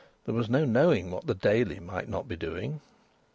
There was no knowing what the Daily might not be doing.